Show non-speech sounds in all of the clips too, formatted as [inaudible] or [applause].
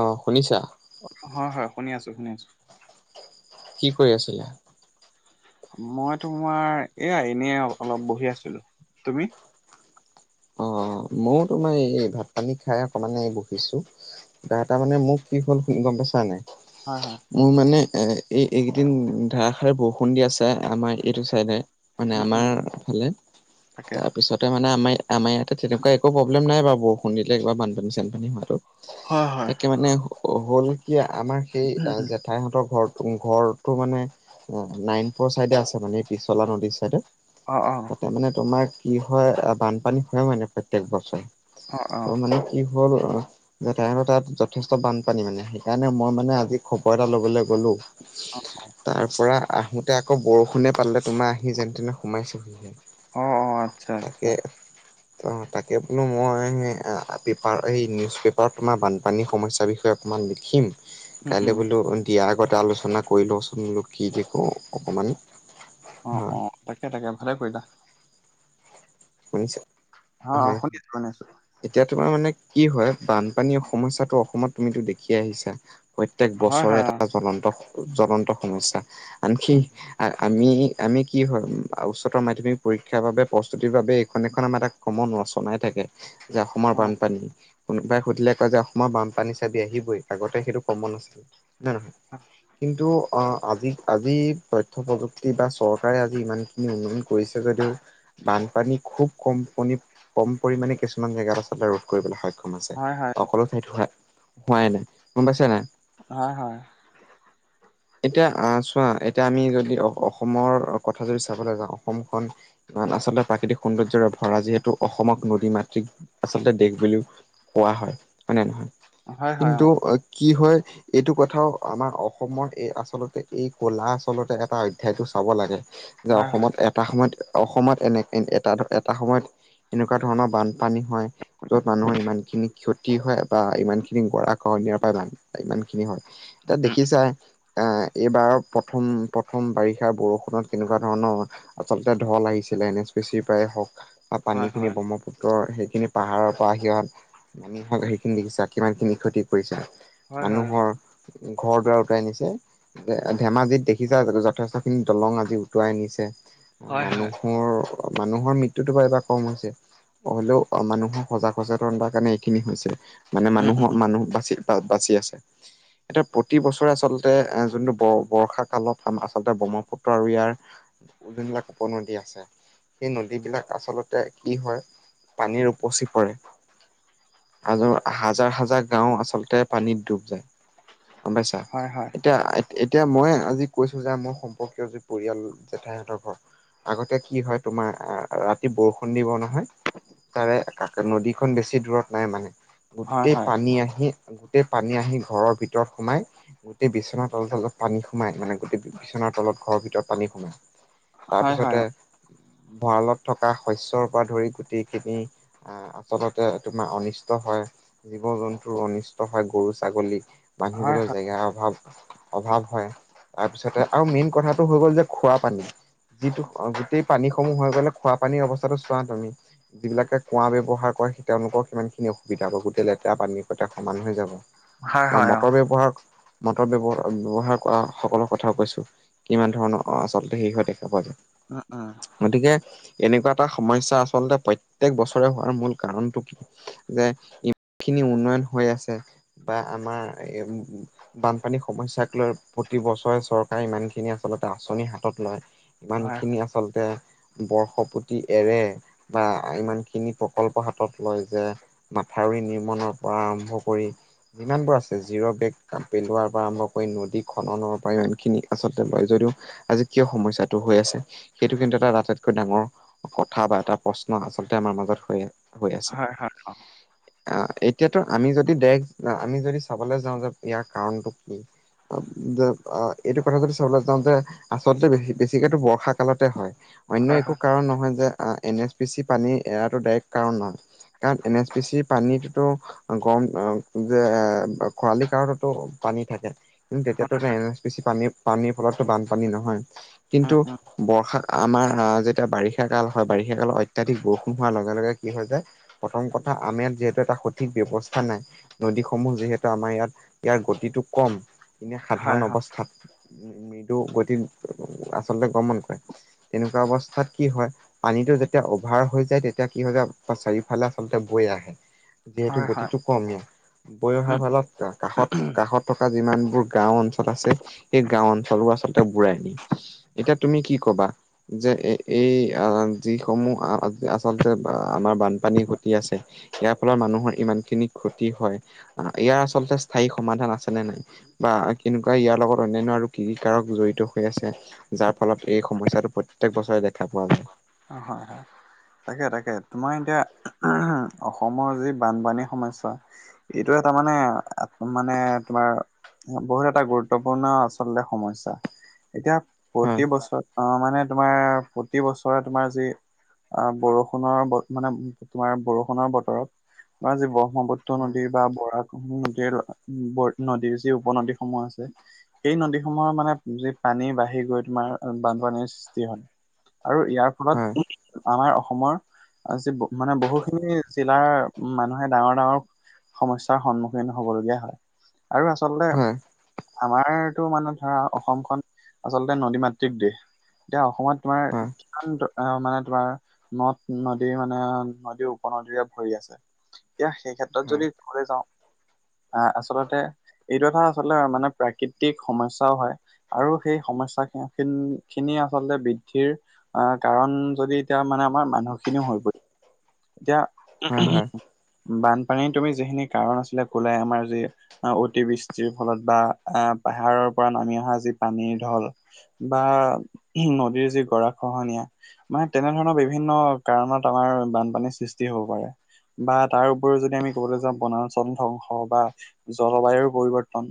অ শুনিছা। হয় হয় শুনি আছোঁ শুনি আছোঁ। কি কৰি আছিলি। মই তোমাৰ এয়া এনে অলপ বহি আছিলো তুমি। অ ময়ো তোমাৰ এই ভাত পানী খাই অকমান এই বহিছোঁ। কিবা এটা মানে মোক কি হ'ল শুনি গম পাইছা নাই। হয় হয়। মোৰ মানে এ এই এইকেইদিন ধাৰাষাৰ বৰষুণ দি আছে আমাৰ এইটো চাইডে। মানে উম আমাৰ উম ফালে তাকে তাৰপিছতে মানে আমাৰ। আমাৰ ইয়াতে তেনেকুৱা একো প্ৰব্লেম নাই বৰষুণ দিলে কিবা বানপানী চানপানী হোৱাটো। হয় হয়। তাকে মানে হ'ল কি আমাৰ সেই উম, জেঠাইহতৰ ঘৰ ঘৰটো মানে। নাৰায়ণপুৰৰ চাইডে আছে মানে পিছলা নদীৰ চাইডে। অ অ অ। তাৰ মানে তোমাৰ কি হয় বানপানী হয় মানে প্ৰত্যেক বছৰে অ অ আৰু মানে। কি হ'ল। যে তাইহতৰ তাত যথেষ্ট বানপানী মানে সেইকাৰণে মই মানে আজি খবৰ এটা লবলৈ গ'লো। অ অ। তাৰ পৰা আহোঁতে আকৌ বৰষুণে পালে তোমাৰ আহি যেনেতেনে সোমাইছোহিহে। অঁ অ আচ্ছা আচ্ছা। ত তাকে বোলো মই সেই এ পেপাৰ এই নিউজ পেপাৰত তোমাৰ বানপানীৰ সমস্যাৰ বিষয়ে অকণমান লিখিম উম উম কাইলৈ বোলো দিয়াৰ আগতে আলোচনা কৰি লওচোন বোলো কি কি কও অকমান। অঁ হয় অঁ তাকে তাকে ভালে কৰিলা। শুনিছ? অ অ শুনি আছো শুনি আছো। এতিয়া তোমাৰ মানে কি হয় বানপানী সমস্যাটো অসমত তুমিতো দেখিয়ে আহিছা। প্ৰত্যেক হয় বছৰে হয় এটা অ জ্বলন্ত জ্বলন্ত সমস্যা আনকি উম আমি আমি কি হয় উচ্চতৰ মাধ্যমিক পৰীক্ষাৰ বাবে প্ৰস্তুতি বাবে এইখন এখন আমাৰ এটা কমন ৰচনাই থাকে যে অসমৰ হয় বানপানী কোনোবাই সুধিলে কয় যে অসমৰ বানপানী চাবি আহিবই আগতে সেইটো কমন আছিল [unintelligible] [inaudible] কিন্তু অ আজি আজি তথ্য প্ৰযুক্তি বা চৰকাৰে আজি ইমানখিনি উন্নয়ন কৰিছে যদিও বানপানী খুব কম পনি কম পৰিমাণে কিছুমান জেগাত আছিল আৰু কৰিবলে সক্ষম হৈছে, হয় হয় সকলো ঠাইত হোৱা হোৱাই নাই, গম পাইছা নাই? হয় হয়। [inaudible] এতিয়া আহ চোৱা এতিয়া আমি যদি অসমৰ কথা যদি চাবলে যাওঁ অসমখন আচলতে প্ৰাকৃতিক সৌন্দৰ্যৰে ভৰা যিহেতু অসমক নদী মাতৃক আচলতে দেশ বুলিও কোৱা হয় হয়নে নহয়? হয় হয় কিন্তু অ কি হয় এইটো কথাও আমাৰ অসমৰ এই আচলতে এই কলা আচলতে এটা অধ্যায়টো চাব লাগে। যে হয় হয় অসমত এটা সময়ত অসমত এনে এটা এটা সময়ত এনেকুৱা ধৰণৰ বান পানী হয় য'ত মানুহৰ ইমান খিনি ক্ষতি হয় বা ইমান খিনি গৰা খহনীয়াৰ পৰা বান ইমান খিনি হয়, এতিয়া উম দেখিছাই এ এইবাৰৰ প্ৰথম প্ৰথম বাৰিষা বৰষুণত কেনেকুৱা ধৰণৰ আচলতে ঢল আহিছিলে এন এছ পি চিৰ পৰাই হওক বা হয় পানী খিনি হয় বক্ষ্মপুত্ৰ ত্ৰৰ সেইখিনি পাহাৰৰ পৰা সিয়া নামি হওক সেইখিনি দেখিছা কিমান খিনি ক্ষতি কৰিছে। মানুহৰ ঘৰ দুৱাৰ উটুৱাই নিছে ধে ধেমাজিত দেখিছা যথেষ্ট খিনি দলং আজি উটুৱাই নিছে। হয় হয় অ হয় হয় মানুহৰ মানুহৰ মৃত্যুটো বাৰু এইবাৰ কম হৈছে। হলেও অ মানুহৰ সজাগ সচেতনতাৰ কাৰণে এইখিনি হৈছে, মানে উম উম মানুহৰ মানুহ বাচি তাত বাছি আছে। এতিয়া প্ৰতি বছৰে আচলতে এ যোনটো ব বৰ্ষা কালত আচলতে ব্ৰহ্মপুত্ৰ আৰু ইয়াৰ যোনবিলাক উপনদী আছে সেই নদীবিলাক আচলতে কি হয়, পানীৰ উপচি পৰে। আ হাজাৰ হাজাৰ গাওঁ আচলতে পানীত ডুব যায়, গম পাইছা? হয় হয়। এতিয়া, এতিয়া মই আজি কৈছোঁ যে মোৰ সম্পৰ্কীয় যি পৰিয়াল জেঠাইহঁতৰ ঘৰ আগতে কি হয় তোমাৰ, আ ৰাতি বৰষুণ দিব নহয় তাৰে কাক নদীখন বেছি দূৰত নাই মানে, হয় গোটেই হয় পানী আহি গোটেই পানী আহি ঘৰৰ ভিতৰত সোমাই গোটেই বিচনাৰ তলৰ তলত পানী সোমাই মানে গোটেই বিচনাৰ তলত ঘৰৰ ভিতৰত পানী সোমাই। হয় হয় তাৰপিছতে, ভঁৰালত থকা শস্যৰ পৰা ধৰি গোটেইখিনি আহ আচলতে তোমাৰ অনিষ্ট হয়, জীৱ জন্তুৰ অনিষ্ট হয় গৰু, ছাগলী। হয় বান্ধিবলৈ হয় জেগাৰ অভাৱ, অভাৱ হয়। তাৰপিছতে আৰু মেইন কথাটো হৈ গ'ল যে খোৱা পানী, যিটো গো-গোটেই পানীসমূহ হৈ গ'লে খোৱাপানীৰ অৱস্থাটো চোৱা তুমি। যিবিলাকে কুঁৱা ব্যৱহাৰ কৰে, তেওঁলোকৰ কিমান খিনি অসুবিধা হ'ব, গোটেই লেতেৰা পানীৰ সতে সমান হৈ যাব। হয় হয় হয় অ মটৰ ব্যৱহাৰ মটৰ ব্যৱহাৰ, বে-ব্যৱহাৰ কৰা সকলৰ কথাও কৈছোঁ, কিমান ধৰণৰ আচলতে হেৰি হৈ থাকে। হয়। অ', অ'। গতিকে, এনেকুৱা এটা সমস্যা আচলতে প্ৰত্যেক বছৰে হোৱাৰ মূল কাৰণটো কি? যে, ইমান খিনি উন্নয়ন হৈ আছে বা আমাৰ এ বানপানীৰ সমস্যাক লৈ প্ৰতি বছৰে চৰকাৰে ইমানখিনি আচলতে আঁচনি হাতত লয় ইমান হয়, খিনি আচলতে বৰ্শকুতি এৰে, বা ইমান খিনি প্ৰকল্প হাতত লয় যে মাথাউৰি নিৰ্মণৰ পৰা আৰম্ভ কৰি যিমানবোৰ আছে, জিৰ বেগ পেলোৱাৰ পৰা আৰম্ভ কৰি নদী খননৰ প্ৰাইভাগ খিনি আচলতে লয় যদিও আজি কিয় সমস্যাত টো হৈ আছে, সেইটো কিন্তু এটা আটাইতকৈ ডাঙৰ কথা বা এটা প্ৰশ্ন আচলতে আমাৰ মাজত হৈ আছে। হৈ আছে। অহ'। অ', এতিয়াটো আমি যদি দেশ আমি যদি চাবলৈ যাওঁ যে ইয়াৰ কাৰণটো কি অ' যে আ এইটো কথা যদি চাবলৈ যাওঁ যে, আচলতে বেছি-বেছি বেছিকেটো বৰ্ষা কালতে হয়, অন্য হয়, হয়, একো হয়, কাৰণ নহয় যে আ এনে এছ পি চি পানী এৰাটো ডাইৰেক্ট কাৰণ নহয়, কাৰণ এন এছ পি চি পানীটোতো গৰম এ যে, খৰালি কাৰণটো পানী থাকে। কিন্তু তেতিয়াটো এন এছ পি চি পানী, পানীৰ ফলতো বানপানী নহয়, উম, কিন্তু উম, বৰ্ষা আমাৰ আ যেতিয়া বাৰিষা কাল হয়, বাৰিষা কালত অত্যাধিক বৰষুণ হোৱাৰ লগে লগে কি হৈ যায় প্ৰথম কথা আমি ইয়াত যিহেতু এটা সঠিক ব্যৱস্থা নাই নদীসমূহ যিহেতু আমাৰ ইয়াত, ইয়াৰ গতিটো কম গতিকে হয়, সাধাৰণ হয়, অৱস্থাত, মৃদু গতিত আচলতে গমন কৰে। তেনেকুৱা অৱস্থাত কি হয়। পানীটো যেতিয়া অভাৰ হৈ যায় তেতিয়া কি হয় জান', চাৰিওফালে আচলতে বৈ আহে। যিহেতু হয়, হয়, গতিটো কম ইয়াৰ, বৈ অহাৰ উম, উম, ফালত কাষত-কাষত থকা যিমানবোৰ গাঁও অঞ্চল আছে, সেই গাওঁ অঞ্চলবোৰ আচলতে বোৰাই নিয়ে। এতিয়া তুমি কি ক'বা? যে এ-এই যিসমূহ আচলতে আ-আমাৰ বানপানী ঘটি আছে ইয়াৰ ফলত মানুহৰ ইমান খিনি ক্ষতি হয়, আহ ইয়াৰ আচলতে স্থায়ী সমাধান আছে নে নাই? বা কেনেকুৱা ইয়াৰ লগত অন্যান্য আৰু কি কি কাৰক জড়িত হৈ আছে? যাৰ ফলত এই সমস্যাটো প্ৰত্যেক বছৰে দেখা পোৱা যায়। হয়, হয়। তাকে, তাকে তোমাৰ এতিয়া আহ অসমৰ যি বানপানী সমস্যা এইটো এটা মানে, আহ মানে তোমাৰ ব-বহুত এটা গুৰুত্বপূৰ্ণ আচলতে সমস্যা। এতিয়া হয় প্ৰতি বছৰ, আহ মানে তোমাৰ প্ৰতি বছৰে তোমাৰ যি অ' বৰষুণৰ ব মানে, তোমাৰ বৰষুণৰ বতৰত তোমাৰ যি ব্ৰহ্মপুত্ৰ পুত্ৰ হয় নদীৰ বা বৰা নদীৰ, ব নদীৰ যি উপনদীসমূহ আছে এই নদীসমূহৰ মানে যি পানী বাঢ়ি গৈ তোমাৰ বানপানীৰ সৃষ্টি হয়। আৰু ইয়াৰ হয় ফলত আমাৰ অসমৰ আজি মানে বহুখিনি জিলাৰ মানুহে ডাঙৰ ডাঙৰ সমস্যাৰ সন্মুখীন হ'বলগীয়া হয় আৰু আচলতে হয় আমাৰতো মানে ধৰা অসমখন আচলতে নদী মাতৃক দেশ। এতিয়া অসমত তোমাৰ কিমান মানে তোমাৰ নদ নদী মানে, নদী উপনদীৰে ভৰি আছে। এতিয়া সেই ক্ষেত্ৰত হয় যদি ক'বলে যাওঁ আহ, আচলতে এইটো এটা আচলতে মানে প্ৰাকৃতিক সমস্যাও হয়। আৰু সেই সমস্যা খিনি আচলতে বৃদ্ধিৰ আহ, কাৰণ যদি এতিয়া মানে আমাৰ মানুহ খিনিও হৈ পৰি হয় এতিয়া, হয় বানপানীৰ তুমি যিখিনি কাৰণ আছিলে তুমি ক'লাই আমাৰ যি অতিবৃষ্টিৰ ফলত বা আহ, পাহাৰৰ পৰা নামি অহা যি পানীৰ ঢল। বা নদীৰ যি গৰা খহনীয়া মানে তেনেধৰণৰ বিভিন্ন কাৰণত আমাৰ বানপানীৰ সৃষ্টি হ'ব পাৰে। বা তাৰ উপৰিও যদি আমি ক'বলৈ যাওঁ বনাঞ্চল ধ্বংস বা জলবায়ুৰ পৰিৱৰ্তন।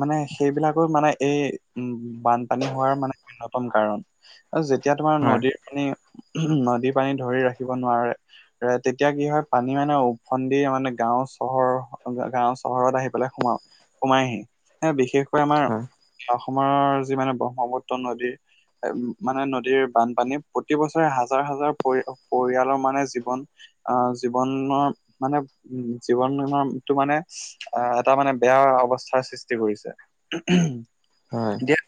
মানে সেইবিলাকো মানে এই উম বানপানী হোৱাৰ মানে অন্যতম কাৰণ। আৰু যেতিয়া তোমাৰ হয় নদীৰ পানী, নদীৰ পানী ধৰি ৰাখিব নোৱাৰে। তেতিয়া কি হয় পানী মানে ওফন্দি মানে গাওঁ চহৰ গাওঁ চহৰত আহি পেলাই সোমাও, সোমাইহি বিশেষকৈ আমাৰ হয় অসমৰ যি মানে ব্ৰহ্মপুত্ৰ নদীৰ মানে নদীৰ বানপানী প্ৰতি বছৰে হাজাৰ হাজাৰ পৰি, পৰিয়ালৰ মানে জীৱন আহ, জীৱনৰ মানে উম জীৱনটো মানে আহ এটা মানে বেয়া অৱস্থাৰ সৃষ্টি কৰিছে। হয়। এতিয়া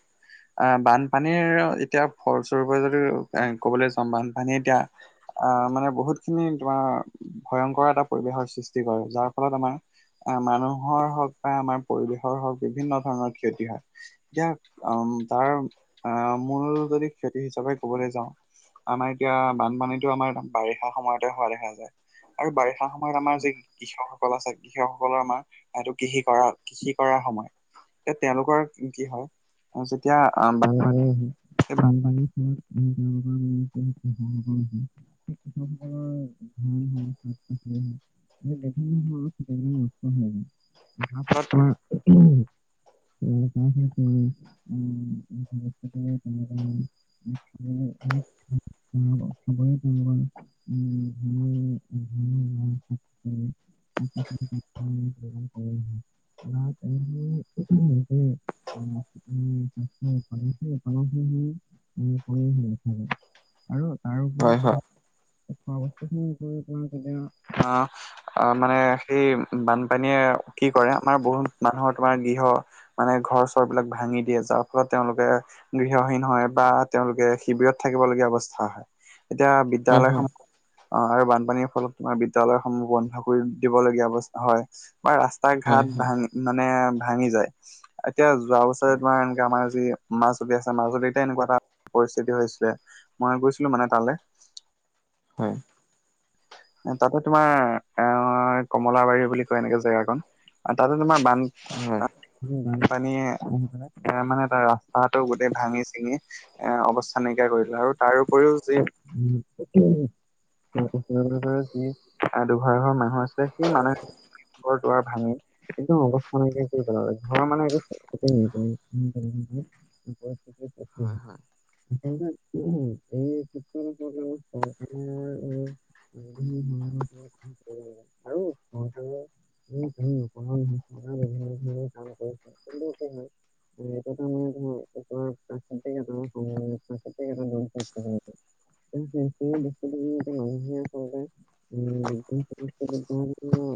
আহ, বানপানীৰ এতিয়া ফলস্বৰূপে যদি ক'বলৈ যাওঁ বানপানী এতিয়া আহ মানে বহুত খিনি তোমাৰ ভয়ংকৰ এটা পৰিৱেশৰ সৃষ্টি কৰে যাৰ ফলত আমাৰ আহ মানুহৰ হওঁক বা আমাৰ পৰিৱেশৰ হওঁক বিভিন্ন ধৰণৰ ক্ষতি হয়। এতিয়া তাৰ আহ মূল যদি ক্ষতি হিচাপে ক'বলৈ যাওঁ। আমাৰ এতিয়া বানপানীটো আমাৰ বাৰিষা সময়তে হোৱা দেখা যায় আৰু বাৰিষা সময়ত আমাৰ যি কৃষকসকল আছে কৃষকসকলৰ আমাৰ, এইটো কৃষি কৰা, কৃষি কৰাৰ সময়। এ তেওঁলোকৰ কি হয় যেতিয়া বানপানী হয় [inaudible] [inaudible] [unintelligible] [unintelligible] [unintelligible] [inaudible] ধান বা শাক পাচলি শাক পাচলি তেওঁলোকৰ মানে যোগান কমি আহে। বা তেওঁলোকৰ যে উম, উম, শস্যৰ উৎপাদন সেই উৎপাদনসমূহ উম, কমি অহা দেখা যায়। আৰু তাৰ হয়, উপৰিও হয়। [unintelligible] আহ, মানে সেই বানপানীয়ে কি কৰে আমাৰ বহুত মানুহৰ তোমাৰ গৃহ মানে ঘৰ চৰ বিলাক ভাঙি দিয়ে যাৰ ফলত তেওঁলোকে গৃহহীন হয় বা তেওঁলোকে শিবিৰত থাকিব লগীয়া অৱস্থা হয়। এতিয়া হয় হয় বিদ্যালয় সমূহ অ' আৰু বানপানীৰ ফলত তোমাৰ বিদ্যয়ালয়সমূহ বন্ধ কৰি দিবলগীয়া অৱস্থা হয়। বা ৰাস্তা হয় হয় ঘাট হয় ভাঙি, মানে ভাঙি যায়। এতিয়া যোৱা বছৰে তোমাৰ এনেকে আমাৰ যি মাজুলী আছে, মাজুলীতে এনেকুৱা এটা পৰিস্থিতি হৈছিলে মই গৈছিলোঁ মানে তালৈ হয় তাতে তোমাৰ এ কমলাবাৰী বুলি কয় এনেকে জেগাখন আৰু তাতে তোমাৰ বান উ বানপানীয়ে মানে তাৰ ৰাস্তাটো গোটেই ভাঙি চিঙি এ অৱস্থা নাইকিয়া কৰিলে আৰু তাৰ উপৰিও যি তেদৰে যি দুঘাৰঘৰ মানুহ আছে সেই মানুহ বৰ দুৱ ভাঙি [unintelligible] একদম অৱস্থা নাইকিয়া কৰি পেলালে ঘৰ মানুহ একো পৰিস্থিতিৰ সৃষ্টি হৈছে হয় আচলতে এই ক্ষেত্ৰত চৰকাৰৰ ম [unintelligible] আমি আমি নকৰা নহয় চৰকাৰে বিভিন্ন ধৰণৰ কাম কৰিছে কিন্তু কি হয় এ এইটো এটা মানে তোমাৰ তোমাৰ প্ৰাকৃতিক এটা সময় প্ৰাকৃতিক এটা দুৰ্যোগ ক'বলৈ গ'লে। এতিয়া সেই বস্তুটো মানে এতিয়া মানুহে সেই আচলতে কৰে [unintelligible]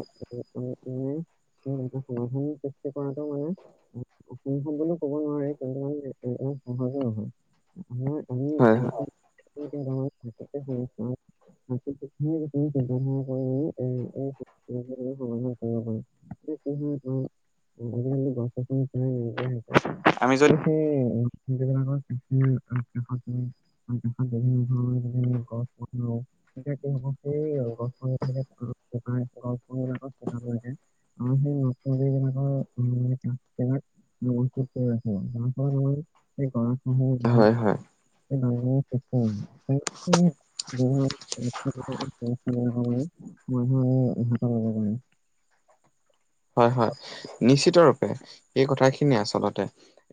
বানপানীৰ সৃষ্টি কৰাটো মানে অসম্ভৱ বুলি ক'ব নোৱাৰি কিন্তু মানে ইমান সহজো নহয়। হয় হয় থাক [unintelligible] আ তুমি চিন্তা ন কৰিিমি সমাধান কৰিব পাৰো [unintelligible] কিহ আজিকালি গছনি নাইকীয়া হৈছে আমি যদি সেইবিলাকৰ কৃষি কষত হয় বিভিন্ন ধৰণৰ গছ ৰুও এতিয়া কি গছ বিিলাকে গছ বিলাক চো যে [unintelligible] আৰু সেই নতুন বিিলাকৰ [unintelligible] [inaudible] সেই গৰাখহনীয়া হয় হয় সেই বানপানীৰ সৃষ্টি হল ম [unintelligible] অ ইহঁতক লব পাৰি [unintelligible] হয় হয় নিশ্চিত ৰূপে এই কথা খিনি আচলতে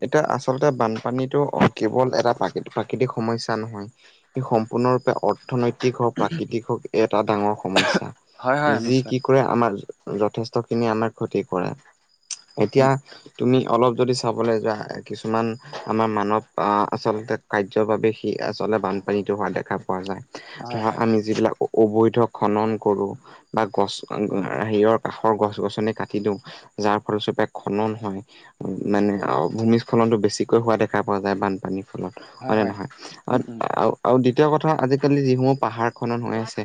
এতিয়া আচলতে বানপানীটো কেৱল এটা প্ৰাকি প্ৰাকৃতিক সমস্যা নহয় সম্পূৰ্ণৰূপে অৰ্থনৈতিক হওঁক প্ৰাকৃতিক হওক এটা ডাঙৰ সমস্যা হয়, হয়, যি কি নিশ্চয়। কি কৰে আমাৰ যথেষ্ট খিনি আমাৰ ক্ষতি কৰে এতিয়া উম, তুমি অলপ যদি চাবলৈ যোৱা কিছুমান আমাৰ মানৱ আচলতে কাৰ্যৰ বাবে সি আচলতে বানপানীটো হোৱা দেখা দেখা পোৱা যায় হয়, ধৰা হয়, আমি যিবিলাক অবৈধ খনন কৰো বা গছ হ হিৰৰ কাষৰ গছ গছনি কাতো কিন্তু যাৰ ফলস্বৰুপে খনন হয় নাই নাই আও ভূমিস্খলনটো বেছিকৈ হোৱা দেখা পোৱা যায় বানপানী ফলত হয় নে নহয় উম, উম, আৰু আৰু দ্বিতীয় কথা আজিকালি যিসমূহ পাহাৰ খনন হৈ আছে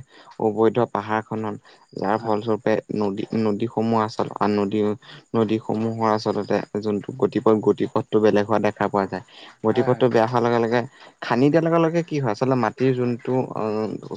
অবৈধ পাহাৰ খনন যাৰ হয়, ফলস্বৰূপে নদী নদীসমূহ আচল নদী নদীসমূহৰ আচলতে যোনটো গতিপথ গতিপথটো বেলেগ হোৱা দেখা পোৱা যায় হয়, হয়, গতিপথটো বেয়া হোৱাৰ লগে লগে খান্দি দিয়াৰ লগে লগে কি হয় আচলতে মাটিৰ যোনটো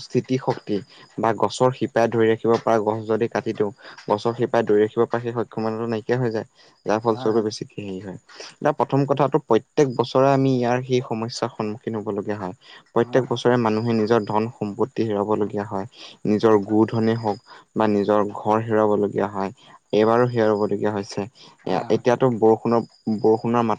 স্থিতি শক্তি বা গছৰ শিপাই ধৰি ৰাখিব পাৰা গছ যদি কাটি দিওঁ গছৰ শিপাই ধৰি ৰাখিব পানীৰ সক্ষমতাটো নাইকিয়া হৈ যায় যাৰ হয়, ফলস্বৰূপে হয়, বেছিকে হে হয় এতিয়া প্ৰথম কথাটো প্ৰত্যেক বছৰে আমি ইয়াৰ সেই সমস্যাৰ সন্মুখীন হব লগীয়া হয় হয়, প্ৰত্যেক বছৰে মানুহে নিজৰ ধন সম্পদ। হেৰাব লগীয়া হয় নিজৰ গোধনে হওক বা নিজৰ ঘৰ হেৰাবলগীয়া হয়। এইবাৰো সেয়া ৰুবলগীয়া হৈছে। এ হয়, হয়। এতিয়াতো বৰষুণৰ বৰষুণৰ মাত।